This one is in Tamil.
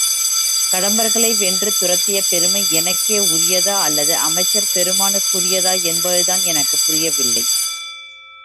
கடம்பர்களை வென்று துரத்திய பெருமை எனக்கே உரியதா அல்லது அமைச்சர் பெருமானுக்குரியதா என்பதுதான் எனக்குப் புரியவில்லை.